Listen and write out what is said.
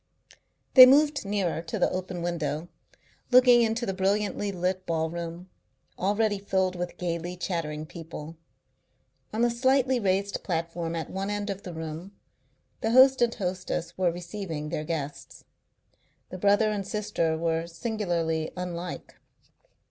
They moved nearer to the open window, looking into the brilliantly lit ballroom, already filled with gaily chattering people. On a slightly raised platform at one end of the room the host and hostess were receiving their guests. The brother and sister were singularly unlike.